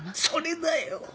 それだよ！